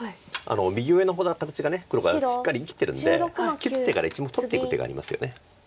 右上の方の形が黒がしっかり生きてるんで切ってから１目取っていく手がありますよね。